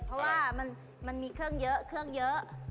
เพราะว่ามันมีเครื่องเยอะเครื่องเยอะ